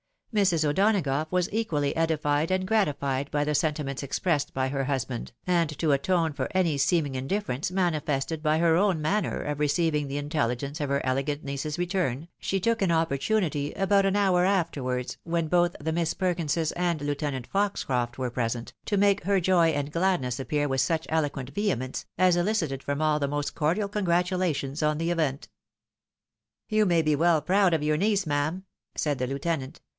Mrs. O'Dona gough was equally ediiied and gratified by the sentiments expressed by her husband, and to atone for any seeming indif ference manifested by her own manner of receiving the intelli gence of her elegant niece's return, she took an opportunity, about an hour afterwards, when both the Miss Perkinses and Lieutenant Foxcroft were present, to make her joy and gladness appear with such eloquent vehemence, as elicited from aU the most cordial congratulations on the event. " You may well be proud of your niece, ma'am," said the lieutenant.